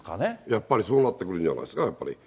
やっぱりそうなってくるんじゃないですか、やっぱり。